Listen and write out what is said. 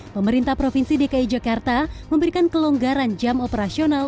pemerintah provinsi dki jakarta memberikan kelonggaran jam operasional